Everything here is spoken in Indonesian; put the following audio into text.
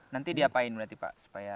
nanti diapain berarti pak